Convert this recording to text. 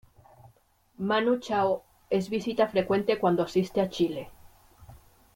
Manu Chao es visita frecuente cuando asiste a Chile.